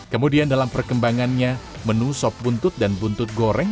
kemudian dalam perkembangannya menu sop buntut dan buntut goreng